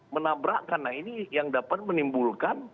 menabrak karena ini yang dapat menimbulkan